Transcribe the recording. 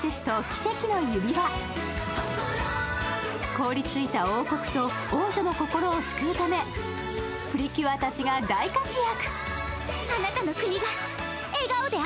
凍りついた王国と王女の心を救うため、プリキュアたちが大活躍。